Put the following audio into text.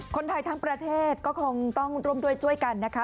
คนไทยทั้งประเทศก็คงต้องร่วมด้วยช่วยกันนะคะ